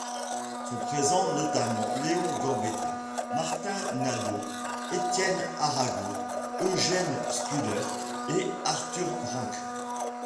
Sont présents notamment Léon Gambetta, Martin Nadaud, Étienne Arago, Eugène Spuller et Arthur Ranc.